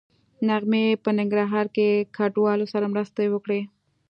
نغمې په ننګرهار کې کډوالو سره مرستې وکړې